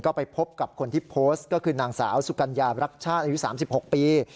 ก็ไปพบกับคนที่โพสต์ก็คือนางสาวสุกัญญารักชาติอายุ๓๖ปี